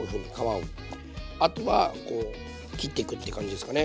あとはこう切っていくって感じですかね。